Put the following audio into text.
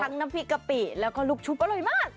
ทั้งนำผีกะปิเราก็ลุกชุบอร่อยมาก